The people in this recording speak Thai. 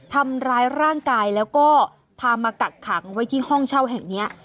ทำร้ายร่างกายแล้วก็พามากักขังไว้ที่ห้องเช่าแห่งนี้